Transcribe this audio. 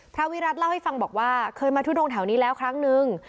วิรัติเล่าให้ฟังบอกว่าเคยมาทุดงแถวนี้แล้วครั้งนึง